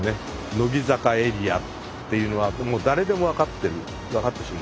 乃木坂エリアっていうのはもう誰でも分かってる分かってしまう。